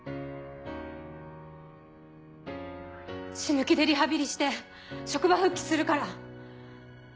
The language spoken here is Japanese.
死ぬ気でリハビリして職場復帰するから。